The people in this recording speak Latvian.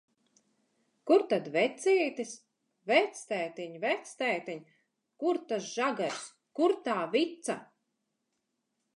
Kur tad vecītis? Vectētiņ, vectētiņ! Kur tas žagars, kur tā vica?